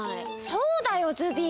そうだよズビー。